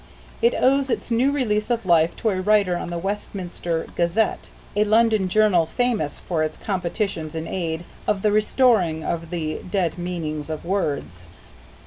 It owes its new lease of life to a writer on The Westminster Gazette, a London journal famous for its competitions in aid of the restoring of the dead meanings of words.